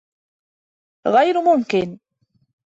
غير ممكن!